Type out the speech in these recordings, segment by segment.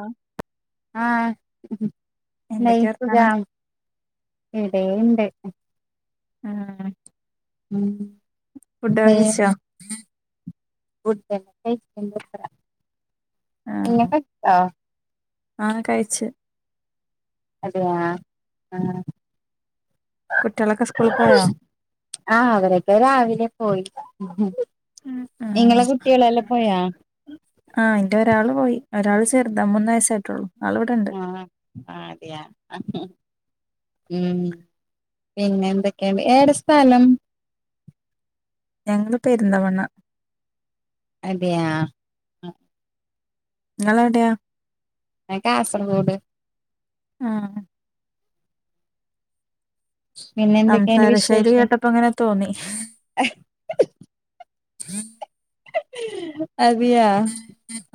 ആഹ [unintelligible] ആഹ നെയ എന്തൊക്കെയാ സുഖ വർത്താനം ഉ [unintelligible] അതേണ്ട് ആ ഉം ഫുഡൊക്കെ കഴിച്ചോ [unintelligible] നിങ്ങ കഴിച്ചോ ആ കഴിച്ച് അതെയാ ആ കുട്ടികളൊക്കെ സ്കൂളിൽ പോയോ ആ അവരൊക്കെ രാവിലെ പോയി ആഹ് നിങ്ങളെ കുട്ടികളല്ല പോയാ ഒരാൾ ചെറുത മൂന്ന് വയസ്സായിട്ടുള്ളൂ ആളിവിടെണ്ട് ആ അ അതിയാ ഉം പിന്നെ എന്തൊക്കെയ ഏടെ സ്ഥലം [inaudible] ഞങ്ങള് പെരിന്തമണ്ണ അതെയാ ങ്ങളെവിടെയാ ഞാ കാസർഗോഡ് ആ പിന്നെ എന്തൊക്കെയുണ്ട് സംസാര ശൈലി വിശേഷം കേട്ടപ്പൊങ്ങനെ തോന്നി [unintelligible] അതെയാ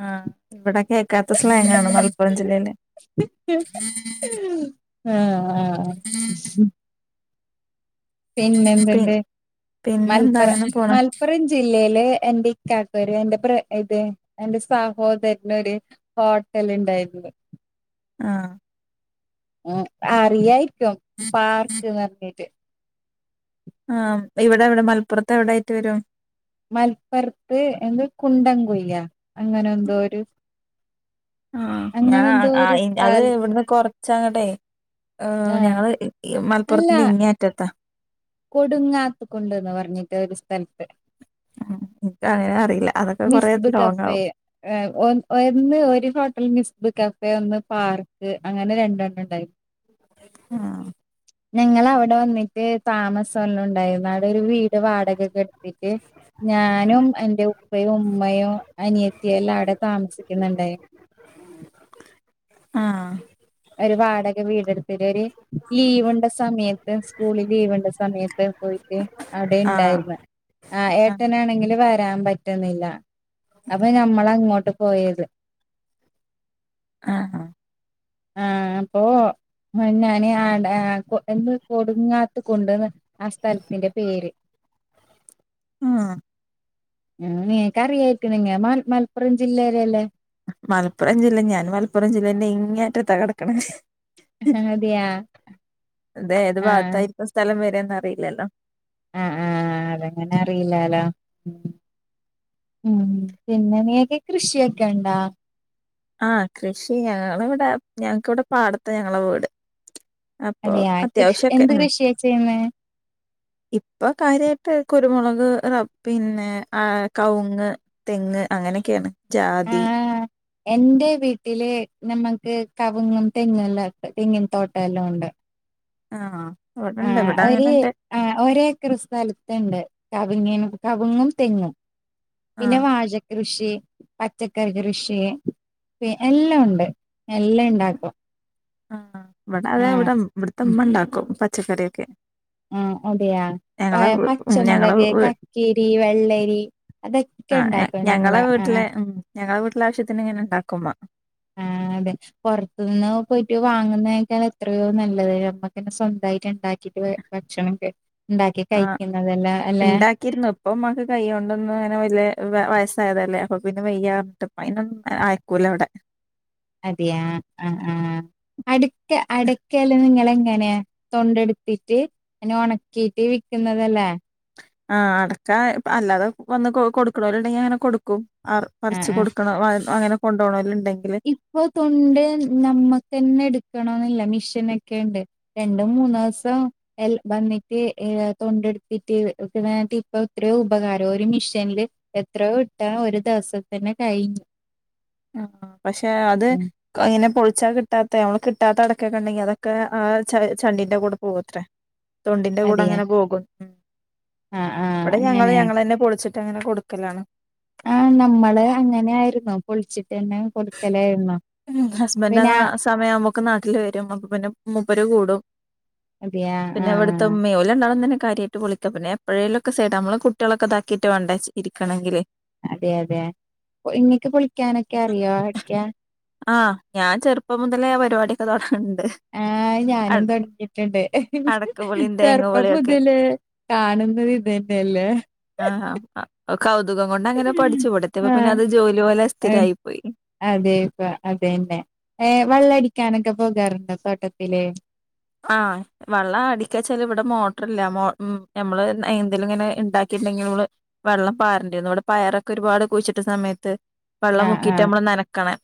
ആഹ് ഇവിടെ കേക്കാത്ത സ്ലാങ്ങാണ് മലപ്പുറം ജില്ലയില് ആ ആ പി പിന്നെന്ത്ണ്ട് പിന്നെന്താ മൽപ്ര അങ്ങനെ പോണ് മൽപ്പുറം ജില്ലേ ല് എന്റെ ഇക്കാക്കൊര് എന്റെ ബ്ര ഇത് എന്റെ സഹോദരന് ഒരു ഹോട്ടല്ണ്ട് [unintelligible] ആ ഉ അറിയായിരിക്കും പാർക്ക്ന്ന്റഞ്ഞിട്ട് ആ ഇവിടെവിടെ മൽപ്പുറത്ത് എവിടൊയിട്ട് വരും മൽപ്പറത്ത് എന്ത് കുണ്ടം കൊയ്യ അങ്ങനെ എന്തോരു ആ ഞാ ആ ഒരു ഇന്റ അത് സ്ഥലത്ത് ഇവിടുന്ന് കൊറച്ചാങ്ങട്ടെ ഹ് ആഹ് ഞങ്ങള് മലപ്പുറത്തിന്റെ ഇങ്ങേ അറ്റത്താ കൊടുങ്ങാത്ത കൊണ്ട്ന്ന് പറഞ്ഞിട്ട് ഒരു സ്ഥലത്ത് എനിക്ക് അങ്ങനെ അറിയില്ല അതൊക്കെ കൊറെ മിസ്ബ് ലോങ് കഫേ ആവും ഒന്ന് ഒരു ഹോട്ടൽ മിസ് ബ് കഫേ ഒന്ന് പാർക്ക് അങ്ങനെ രണ്ടെണ്ണണ്ടായിന്ന് ആ ഞങ്ങളവിടെ വന്നിട്ട് താമസെല്ലാണ്ടായിരുന്നു അടെരു വീ ട് വാടകൊക്കെടുത്തിട്ട് ഞാനും എന്റെ ഉപ് പ്പയും ഉമ്മയും അനിയത്തിയെല്ലാം അവിടെ താമസിക്കുന്നുണ്ടായി ആ ഒരു വാടക വീടെടുത്തി ഒരു ലീവ് ഉണ്ട സമയത്ത് സ്കൂളിൽ ലീവ് ഉണ്ട സമയത്ത് പോയിട്ട് അവിടെ ആ ഉണ്ടായിര്ന്ന് ആ ഏട്ടനാണെങ്കില് വരാൻ പറ്റുന്നില്ല അപ്പൊ ഞമ്മളങ്ങോട്ട് പോയത് ആ ആ ആ അപ്പൊ ആ ഞാന് ആ ടെ ആ കൊ എന്തോ കൊടുങ്ങാത്ത കൊണ്ട് ആ സ്ഥലത്തിന്റെ പേര് [inaudible] ആ ആ നീങ്‌കറിയായിരിക്കു നിങ്ങ മ മൽപ്പുറം ജില്ലേലല്ലേ മലപ്പുറം ജില്ല ഞാൻ മലപ്പുറം ജില്ലന്റെ ഇങ്ങേ അറ്റത്താ കെടക്കണ് അതെയാ അതേത് ആഹ് ഭാഗത്തായിപ്പൊ സ്ഥലം വരാന്നറിയില്ലല്ലോ ആഹ് ആഹ് അത് എങ്ങെനെ അറില്ലാലോ? ഉം പിന്നെ നിങ്ങെക്ക് കൃഷിയൊക്കെയുണ്ടോ? ആഹ് കൃഷി ഞങ്ങെൾ ഇവെട്ടെ ഞങ്ങ്ക്ക് ഇവെടെ പാട്ത്താ ഞങ്ങളെ വീട് അപ്പൊ അതെയാ കൃഷി അത്യാവശ്യം ഒക്കെ എന്ത് ഉം കൃഷിയാ ചെയ്യുന്നെ ഇപ്പം കാര്യ ട്ട് കുരുമൊളക് റബ്ബ് പിന്നെ ഏഹ് കവുങ്ങ്, തെങ്ങ് അങ്ങനെ ഒക്കെയാണ്. ജാ തി ആഹ് എന്റെ വീട്ടിൽ ഞമ്മെക്ക് കവുങ്ങും തെങ്ങും എല്ലാം ഇണ്ട് തെങ്ങിൻ തോട്ടം എല്ലാം ഉണ്ട് ആണോ ആഹ് ഒര് ആഹ് ഒര് ഏക്കർ സ്ഥല്ത്ത് ഇണ്ട് കവ്ങ്ങിനും കവ്ങ്ങും തെങ്ങും ആ പിന്നെ വാജകൃഷി രി പച്ചക്കറി കൃഷി പി എല്ലാം ഉണ്ട് എല്ലെയ് ഇണ്ടാക്കും ആഹ് ആഹ് ഇവെടെ അതെ ആഹ് ഇവെടെ ഇമ് ഇവെട്ത്തെ ഇമ്മ ഇണ്ടാക്കും പച്ചക്കറിയൊക്കെ ആഹ് അതെയാ ഞങ്ങളെ ഏഹ് വീ- ഉം, ഞങ്ങളെ പച്ചമുളെക് വീ കക്കേരി വെള്ളെരി അത് ആഹ് ഞ ഞങ്ങളെ വീട്ട്ലെ ഉം ഞങ്ങളെ വീട്ട്ലെ ആവശ്യത്തിന് ഇങ്ങനെ ഇണ്ടാക്കും ഇമ്മ ഉം അതെ പൊർത്തുന്നു പോയിറ്റ് വാങ്ങുന്നെയ്ക്കാളും എത്രയോ നല്ലെത് നമ്മെക്കെന്നെ സ്വന്തായിറ്റ് ഇണ്ടാക്കാ ക്കിട്ട് ഭക്ഷണം ഒക്കെ ഇണ്ടാക്കി ആ കഴിക്ക്ന്നെത് ലെ അല്ലെ? ഉണ്ടാക്കിയിരുന്നു ഇപ്പം ഉമ്മാക്ക് കൈയ്യോണ്ടൊന്നും അങ്ങനെ വെല്ലെ വ വയസ്സായെത് അല്ലെ അപ്പ പിന്നെ വെയ്യാർൺട്ട് അപ്പ അയ്നൊന്നും ആയക്കൂല ഇവെടെ അതിയാ ആഹ് ആഹ് അട്ക്ക അട്ക്കെൽ നിങ്ങെൾ എങ്ങനെ തൊണ്ടെട്ത്തിട്ട് ഇങ്ങെനെ ഒണക്കിയിട്ട് വിക്ക് ക്ക്ന്നെത് അല്ലെ? ആഹ് അടക്കാ പ്പ അല്ലാതെ വന്ന് കൊ കൊട്ക്ക്ണോൽ ഇണ്ടെങ്കി അങ്ങെനെ കൊട്ക്കും [unintelligible] ആഹ് പറിച്ച് ആഹ് കൊടുക്കണം അ അങ്ങനെ കൊണ്ട് പോണോരിലിൻ ഇപ്പൊ തൊണ്ട് നമ്മക്ക് തന്നെ എടുക്കണോന്നില്ല. മിഷനൊക്കെ ഇണ്ട് രണ്ട് മൂന്ന് ദിവസം [unintelligible] വന്നിട്ട് ഏഹ് തൊണ്ടെടുത്തിട്ട്. [unintelligible] ഇപ്പൊ എത്രയോ ഉപകാരം ഒരു മിഷേനീല് എത്രയോ ഇട്ടാണ് ഒരു ദിവസം തന്നെ കഴി ആഹ് പക്ഷെ അത് ക ഇങ്ങനെ പൊളി [unintelligible] കിട്ടാത്ത നമ്മള് കിട്ടാത്ത അടക്കേക്കെ ഉണ്ടെങ്കി അതൊക്കെ ആ ച ചണ്ടീന്റെ കൂടെ പോവത്രേ. തൊണ്ടിന്റെ കൂടെ അതെയാ അങ്ങനെ പോകും. ആഹ് ആഹ് ഇവിടെ ഞങ്ങള് അങ്ങനെയാണ് ഞങ്ങളന്നെ പൊളിച്ചി [unintelligible] അങ്ങനെ കൊടുക്കലാണ്. ആഹ് നമ്മള് അങ്ങനെ ആയിരുന്നു പൊളിച്ചിട്ടന്നെ കൊടുക്കല്. ഹസ്ബൻഡ് ആ ന സമയാവുമ്പോക്ക നാട്ടില് വരും അപ്പൊ പിന്നെ മൂപ്പര് കൂടും. അതെയാ പിന്നെ ഇവിടത്തെ ആഹ് ഉമ്മി. ഓല് രണ്ടാളും തന്നെ കാര്യായിട്ട് പൊളിക്ക പിന്നെ എപ്പെഴേലൊക്കെ സൈഡാ അമ്മള് കുട്ടികളൊക്കൊ ഇതാക്കിട്ട് വേണ്ടേ ഇരിക്കണെങ്കില് അതെ അതെ ഇങ്ങക്ക് പൊളിക്കാനൊക്കെ അറിയോ? അടക്ക ആഹ് ഞാൻ ചെറുപ്പം മുതലേ പരിപാടിയൊക്കെ [unintelligible] ആഹ് അട ഞാനും തൊടങ്ങീട്ടുണ്ട്. അടക്കപൊളിയും തേങ്ങ ചെറുപ്പം പൊളിയും ഒക്കെ മുതല് കാണ് [unintelligible] ഇതന്നെ അല്ലേ. ആഹ് ആഹ് കൗതുകം കൊണ്ട് അങ്ങനെ പഠിച്ചു. ഇവിടെ എത്തിയപ്പോ പിന്നെ ആഹ് അത് ജോലി പോലെ ഏഹ് സ്ഥിരായി പോയി [unintelligible] അതന്നെ ഏഹ് വെള്ളടിക്കാനൊക്കെ പോകാറുണ്ടൊ തോട്ടത്തില് ആഹ് വെള്ളം അടിക്കാച്ചാല് ഇവിടെ മോട്ടർ ഇല്ല മോ മ് ഞമ്മള് എന്തേലും ഇങ്ങനെ ഇണ്ടാക്കി [unintelligible] വെള്ളം പാറേണ്ടിയിരുന്നു ഇവിടെ പയറൊക്കെ ഒരുപാട് കുഴിച്ചിട്ട സമയത്ത് വെള്ളം ആഹ് മുക്കിയിട്ട് ആഹ് അമ്മള് നനക്കണം.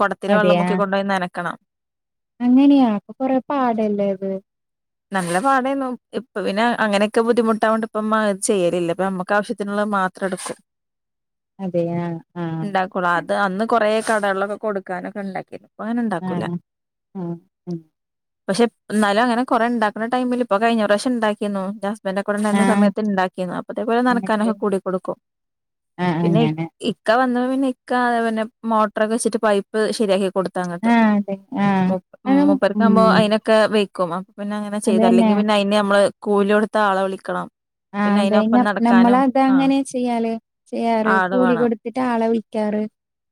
കൊടത്തിലെ വെള്ളം അതെയാ മുക്കി കൊണ്ട് പോയി നനക്കണം അങ്ങനെയാ അപ്പൊ കൊറെ പാടല്ലേ അത്. നല്ല പാടായിരുന്നു. ഇപ്പ പിന്നെ അങ്ങനെയൊക്കെ ബുദ്ധിമുട്ടായൊണ്ട് ഇപ്പ [unintelligible] ചെയ്യലില്ലപ്പ. ഇപ്പ നമ്മക്ക് ആവശ്യത്തിനുള്ള [unintelligible] മാത്രേടുക്കും അതെയാ ആഹ് ഇണ്ടാക്കുള്ളു അത് അന്ന് കൊറെ. കടകൾ ഒക്കെ കൊടുക്കാൻ ഒക്കെ ഇണ്ടാക്കിന്. ആഹ് അഹ് അഹ് പക്ഷെ എന്നാലും അങ്ങനെ കുറെ ഉണ്ടാക്കുന്ന ടൈമിൽ ഇപ്പോൊ കഴഞ്ഞറ്ാവശം ഉണ്ടാക്കി ഇന്റെ കൂടെ എന്ന ആഹ് സമയത്ത് ഉണ്ടാക്കിന്ന് അപ്പതേ പോോലെ എന്നിട്ട് നടക്കാനൊക്കെ കൂടി കൊടുക്കും ആഹ് പിന്നെ ഇ അങ്ങനെ ഇക്ക വന്ന പിന്നെ ഇക്ക അത പിന്നെ മോട്ടർൊക്കെ വെച്ചിട്ട് പൈപ്പ് ശരിയാക്കി കൊടുത്ത ആഹ് അതെ ആഹ് അത് ങ്ങ് ഉം മുപ്പക്ക്പോ വെക്കും അപ്പ പിന്നെ അങ്ങനെ ചെയ്ത അതന്നെ അല്ലെങ്കിൽ പിന്നെ അതിെ നമ്മള് കൂല കൊടുത്ത ആളെ വിളിക്കണം ആ പിന്നെ അതെ അതിനൊപ്പം നമ്മൾ നടക്കാനും അത് ആ അങ്ങനെ ചെയ്യാല് ചെയ്യാറ് കൂലി കൊടുത്തിട്ട് ആളെ വിളിക്കാ ആറ്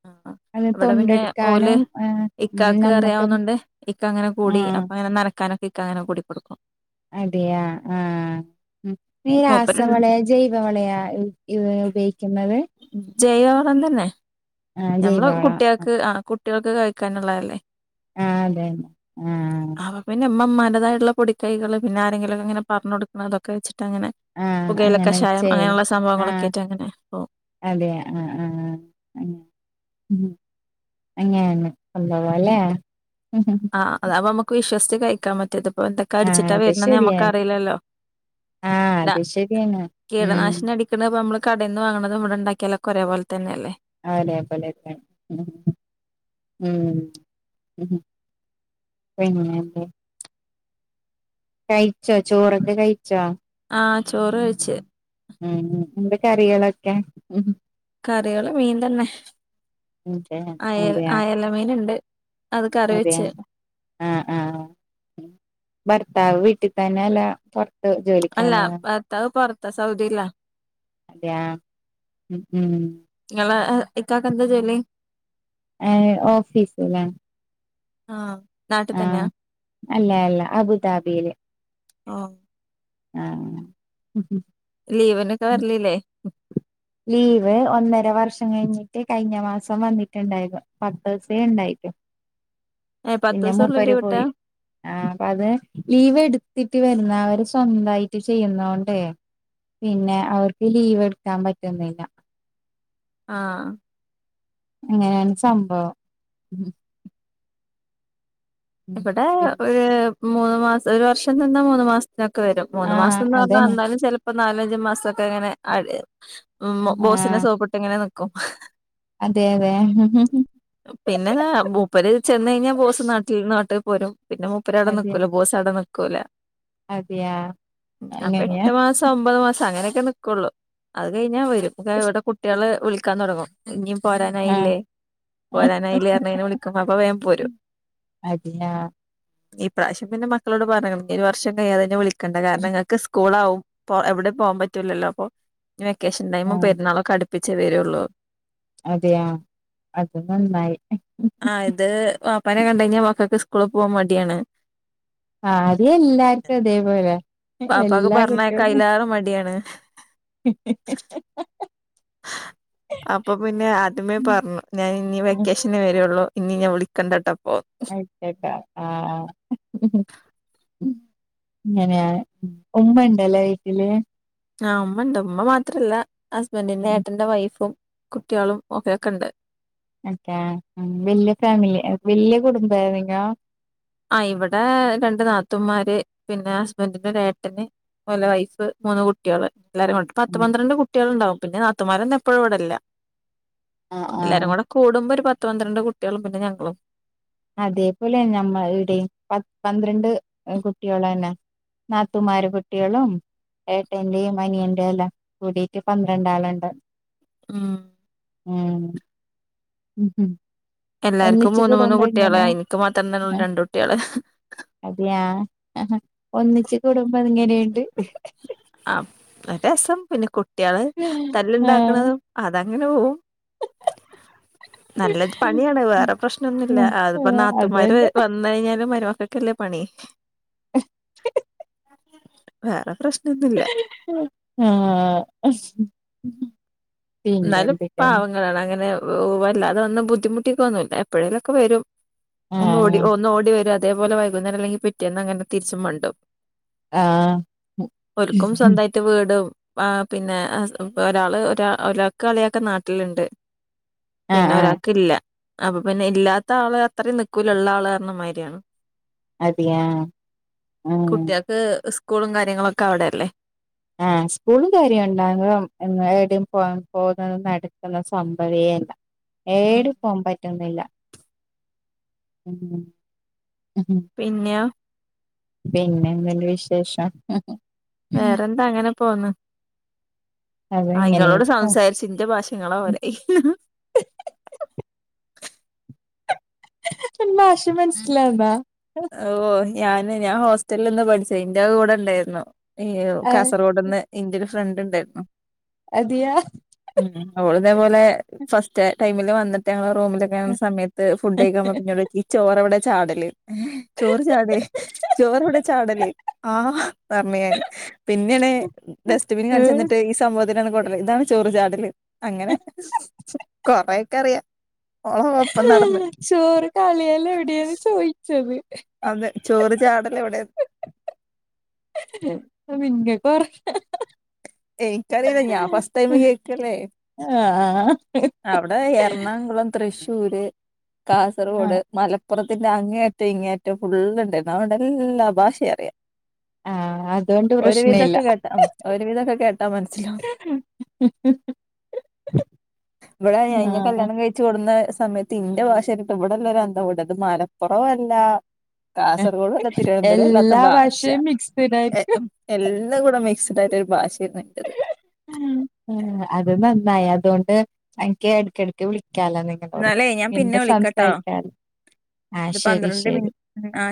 ആഹ അവിടെ പിന്നെ ഓല് ആ ഉം ഇക്കക്ക് നമ്മക്കും അറിയാവുന്നുണ്ട് ഇക്ക അങ്ങനെ ആ കൂടി അപ്പ അങ്ങന നനക്കാനോ കിക്ക അങ്ങനെ കൂടി കൊടുക്കും അതിയാ ആഹ ഉ ന മൂപ്പര് രാസവളയ ജൈവവളയ ഉപയോഗിക്കുന്നത് ജൈവണംം തന്നെ ആ ഞമ്മള ജൈവവള കുട്ടികൾക്ക് ആ കുട്ടികൾക്ക് കഴിക്കാനുള്ളതല്ലേ ആഹ അതെല്ലെ ആഹ അതായുള്ള പൊിക്കൈകൾ പിന്നെരെങ്കിലുംക്കെങ്ങനെ പറഞ്ഞ കൊടുക്കണം അതൊെച്ചട്ട് അങ്ങനെ ആ അങ്ങനെ പുകയിലൊക്കെഷായം ചെയ്യും അങ്ങനെയുള്ള ആ സംഭവങ്ങളൊക്കെ ആട്ട് അങ്ങനെ പോവും അതെ ആഹ് ആഹ് ആ അങ്ങന സംഭവാല്ലേ ആഹ് അത അപ്പൊ നമുക്ക് വിശ്വസിച്ച് കഴിക്കാൻ പറ്റിയത് ഇപ്പൊ എന്തൊക്കെ ആ അടിച്ചിട്ടാ അത് വരണന്ന് നഞമ്മക്ക് ശരിയാണ് അറിയില്ലല്ലോ ആ അത് ശരിയാണ് ഉം കീടനാശിന അടിക്കണപ്പ നമ്മള് കടയിന്ന്ാങ്ങണത ഇവിടെണ്ടാക്കിയല്ലോ കുറേ പോോലെ തന്നെയല്ലേ അതേപോലെ ഉ ഉ സനല്ല കഴിച്ചോ ചോറൊക്കെ കഴിച്ചോ ആഹ ചോറ് കഴിച്ചു ഉം എന്റെ കറികളൊക്കെ കറികള് മീൻ തന്നെ അതെ അയ അതെയാ അയല മീൻ ഉണ്ട് അതൊക്കെ അറിവച്ചേ ആഹ ആഹ ഭർത്താവ് വീട്ടിൽ തന്നെ അല്ലറ അല്ല പത്ത പൊറത്ത സൗദില്ല അത ഉ ഉം എക്കകന്ത ജല്ല ഓഫസല്ല ആഹ ആഹ അല്ല അല്ല അബുദാബിയില് ആഹ ആഹ ലീവിനൊക്കെ വരലില്ലേ ലീവ് ഒന്നര വ വർഷം കഴിഞ്ഞിട്ട് കഴിഞ്ഞ മാസം വന്നിട്ടുണ്ടായിരുന്നു പത്ത് ദിവസേ ഉണ്ടായിരിക്കും ഏഹ് പത്ത് പിന്നെ ദിവസൊള്ളൂ മൂപ്പര് ലീവ് കിട്ടാ പോയി ആ അപ്പൊ അത് ലീവ് എടുത്തിട്ട് എ വരുന്ന അവര് സ്വന്തായിട്ട് ചെയ്യുന്നോണ്ടേ പിന്നെ അവർക്ക് ലീവ് എടുക്കാൻ പറ്റുന്നില്ല ആ അങ്ങനെയാണ് സംഭവം ഉം ഇവിടെ പി മൂന്ന് മാസം ഒരു വർഷം നിന്ന മൂന്ന് മാസം ക്കെ വരും മൂന്ന് ആഹ് മാസംന്ന് അതന്നെ പറഞ്ഞാൽന്നാലും ചിലപ്പോ നാലഞ്ചു മാസംക്കെ അങ്ങനെ അ ഉ ബോസിനെ ആഹ് സോപ്പിട്ട് ഇങ്ങനെ നിക്കും അതെ അതെ പിന്നെ മൂപ്പര് ചെന്ന് കഴിഞ്ഞാ ബോസ് നാട്ടി നാട്ടിക്ക് പോരും പിന്നെ മുപ്പര് അവിടെ അതെ നിക്കൂല ബോസ് അവിടെ നിൽക്കൂലേ അതെയാ അപ്പൊ അങ്ങനെയാ എട്ട് മാസം ഒമ്പത് മാസം അങ്ങനെയൊക്കെ നിക്കുള്ളു. അത് കഴിഞ്ഞാൽ വരും ഇവിടെ കുട്ട്യേള് വിളിക്കാൻ തുടങ്ങും. ഇഞ് ആഹ് പോരാനായില്ലേ പോരാനായില്ലേർഞ്ഞേന് വിളിക്കും. അപ്പൊ വേം പോരും. അടിയ ഈ പ്രാവശ്യം പിന്നെ മക്കളോട് പറയും. ഒരു വർഷം കഴിയാതെ എന്നെ വിളിക്കണ്ട കാരണം ഇങ്ങൾക്ക് സ്കൂളാവും. പ്പോ എവിടെ പോവാൻ പറ്റൂലല്ലോ അപ്പൊ വെക്കേഷൻ ടൈമും പെരുന്നാളൊക്കെ അടുപ്പിച്ചേ വരൊള്ളു. അതെയ അത് നന്നായി. സ്കൂള് പോവാൻ മടിയാണ്. ആദ്യം എല്ലാർക്കും അതേപോലെ പാപ്പാക്ക് എല്ലാ പറഞ്ഞയക്കാൻ കുട്ടികളും അയിലേറെ മടിയാണ്. അപ്പൊ പിന്നെ അദ്യമേ പറഞ്ഞു. ഞാൻ ഇനി വെക്കേഷനെ വരുള്ളൂ. ഇഞ് ഇന്നെ വിളിക്കണ്ടട്ടോ. [unintelligible] ഇങ്ങനെയ. ഉമ്മ ഇണ്ടല്ലേ വീട്ടില്. ആഹ് ഉമ്മണ്ട് ഉമ്മ മാത്രല്ല ഹസ്ബൻഡ്ന്റെ ഏട്ടന്റെ വൈഫും. കുട്ട്യേളും ഒകെക്കെണ്ട്. അക്കെ. വല്യ ഫാമിലി വല്യ കുടുംബെ വിനോ ആഹ് ഇവിടെ രണ്ട് നാത്തൂന്മാര് പിന്നെ ഹസ്ബന്റിന്റെ ഒരു ഏട്ടന്. ഓലെ വൈഫ്‌ മൂന്ന് കുട്ട്യേള്. എല്ലാരു ഉണ്ട്. പത്ത് പന്ത്രണ്ട് കുട്ട്യേൾണ്ടാവും. പിന്നെ നാത്തൂമാരന്നും എപ്പഴും ഇവിടില്ല. ആഹ് ആഹ് എല്ലാരും കൂടെ കൂടുമ്പോ ഒരു പത്ത് പന്ത്രണ്ട് കുട്ട്യേളും പിന്നെ ഞങ്ങളും. അതേപോലെ ഞമ്മ ഇടെയും. പത് പന്ത്രണ്ട് കുട്ട്യോളന്നെ. നാത്തുമാര് കുട്ട്യേളും. ഏട്ടന്റെയും അനിയന്റെയും എല്ലാം കൂടീട്ട് പന്ത്രണ്ടാളുണ്ട്. ഉം ആ ഹ് ഹു എല്ലാർക്കും മൂന്ന് മൂന്ന് കുട്ടികളായി അനിക്ക് മാത്രം തന്നെ ആ, രണ്ട് കുട്ടികള് അതെയാ ആ ഒന്നിച്ച് കൂടുമ്പോ അങ്ങനെയുണ്ട് ആ നല്ല രസം പിന്നെ കുട്ടികള് ആഹ് തല്ലുണ്ടാക്കണതും അതാ - ഇങ്ങനെ പോകും [inaudible] നല്ല ഒരു പണിയാണ് വേറെ പ്രശ്നം ഒന്നുംയില്ല അതിപ്പോ നാത്തുമാര് അതന്നെ വന്ന് കഴിഞ്ഞാല് മരുമ- മോക്കക്കല്ലേ പണി വേറെ പ്രശ്നൊന്നുല്ല [unintelligible] ആഹ് പിന്നെ എന്നാലും എന്തൊക്കെയാണ് പാവങ്ങളാണ് അങ്ങനെ- വല്ലാതെ ഒന്നും ബുദ്ധിമുട്ടിക്കൊന്നുല്ല എപ്പോഴേലൊക്കെ വരും ഒന്ന് ഓടി ആഹ് ഒന്നു ഓടി വരും അത്ര - ഇതേപോലെ വൈകുന്നേരം അല്ലെങ്കിൽ പിറ്റേന്ന് അങ്ങനെ തിരിച്ചും മണ്ടും ആഹ് ഒരിക്കും സ്വന്തമായിട്ട് വീട് ആ പിന്നെ ഒരാള് ഒ ഒരാക്ക് അളിയായൊക്കെ നാട്ടിലുണ്ട് ആഹ് പിന്നെ ആഹ് ഒരാക്ക് ഇല്ല അപ്പൊ പിന്നെ ഇല്ലാത്ത ആള് അത്രയും നിക്കുലുള്ള ആൾ മാതിരിയാണ് അതിയാ ആഹ് കുട്ടികൾക്ക് സ്കൂളും കാര്യങ്ങളൊക്കെ അവിടെ അല്ലേ ആ സ്കൂളും കാര്യം ഒണ്ടാവുന്നതും എന്നാൽ എവിടെയും പൊ പോകുന്നത് നടക്കുന്ന സംഭവയേ അല്ല ഏ [unintelligible] ഉം. ടിം പോവൻ പറ്റുന്നില്ല ഉം പിന്നെയൊ പിന്നെ എന്ത്ണ്ട് വിശേഷം വേറെന്താ അങ്ങനെ പോന്ന് അത് ആ ഇങ്ങനെ ഇങ്ങളോട് സംസാരിച്ച് എന്റെ ഭാഷ നിങ്ങളെ പോലയായി എന്റെ ഭാഷ മനസ്സിലാവ്ണ്ടാ ഓ ഞാന് ഞാൻ ഹോസ്റ്റല്ല് ന്ന് പഠിച്ചെയ്. ഇന്റെ കൂടെ ഇണ്ടേര്ന്നു ഏഹ് കാസറ്ഗോഡ്ന്ന് ഇൻ്റൊരു ഫ്ര ഫ്രണ്ട് ണ്ടേർന്നു അതിയാ തേപോലെ ഫസ്റ്റ ടൈമില് വന്ന്ട്ട് ഞങ്ങള് റൂമില്ക്ക്ണ സമയത്ത് ഫുഡെയ്ക്കാൻ പൊയപ്പൊ [unintelligible] എവ്ടെ ചാടല് ചോറ് ചാടെ ചോറെവ്ടെ ചാടല് ആ പർണ് യാന് പിന്നെ ന് ഡസ്റ്റ്ബിന് ഉം. കാണ്ചന്ന്ട്ടെയ് ഈ [unintelligible] [unintelligible] കൊട്ടല് ഇതാണ് ചോറ് ചാടല് അങ്ങനെ കൊറെയൊക്കെ അറിയ ചോറ് കളയലെവ്ടേന്ന് ചോയ്ച്ചത് അതെ ചോറ് ചാടല് എവിടെ [unintelligible] എനിക്കറിയില്ല ഞാൻ ഫസ്റ്റ് ടൈമ് കേക്കല്ലേ ആ അവ്ടെ എറണാകുളം തൃശ്ശൂര് ആ കാസർഗോഡ് മലപ്പ് പ്പുറത്തിന്റെ അങ്ങേയറ്റം ഇങ്ങേയറ്റം ഫുള്ള്ണ്ട് അതോണ്ട് ല്ലാ ഭാഷി അറിയ ആ അതുകൊണ്ട് ഒരു പ്രശ്നമില്ല വിധൊക്കെ കേട്ട ഉം ഒരു വിധൊക്കെ വടെ യെ ഞെ ആ കല്യാണം കഴിച്ചു കൊട്‌ന്നെ സ് സമയത്ത് ഇന്റെ ഭാഷേട്ടിട്ട് വിടെള്ളോര് അന്തംവിട ത് മലപ്പൊറോ അല്ല കാസർഗോഡ് ഒക്കെ തിരുവന്തൂര അല്ലാത്ത എല്ലാ ഭാഷ ഭാഷയും എ മിക്സ്ഡായിരിക്കും അം എല്ലാം കൂടെ മിക്സ്ഡ് ആ ഉം ഉം അത് നന്നായി അതോണ്ട് അൻക്ക് എട്ക്കെട്ക്ക് വിളി ക്കാലോ നിങ്ങളോട് എന്നാലേ ഞാൻ എന്ത പിന്നെ വിളിക്കട്ടോ സംസാരിക്കാൻ ആ ഇത് ശരി പന്ത്രണ്ട് ശരി മിനിറ്റ് ആ